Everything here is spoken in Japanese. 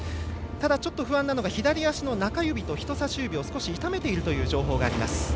ただ、不安なのが左足の中指と人さし指を少し痛めているという情報があります。